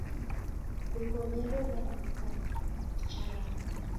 W'iw'onyere w'andu picha rako